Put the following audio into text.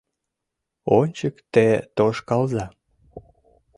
Ончык те тошкалза.